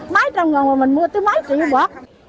mấy trang rồi mình mua cứ mấy triệu bỏ